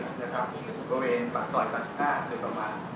เราเพิ่มถึงกลับรถเพิ่มเติมบนปั๊บชิ้นเหนือบริเวณปั๊บสอย๓๕หรือประมาณ